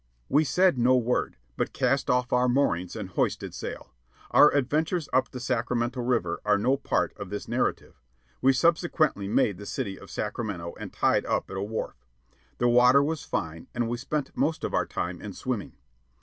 We said no word, but cast off our moorings and hoisted sail. Our adventures up the Sacramento River are no part of this narrative. We subsequently made the city of Sacramento and tied up at a wharf. The water was fine, and we spent most of our time in swimming.